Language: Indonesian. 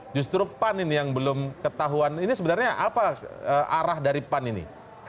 justru pan ini yang belum ketahuan ini sebenarnya apa arah dari pan ini